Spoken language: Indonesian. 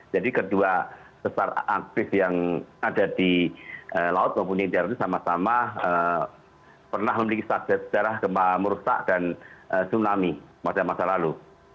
jadi kedua sesar aktif yang ada di laut maupun di intiara itu sama sama pernah memiliki sasar gempa merusak dan tsunami pada masa lalu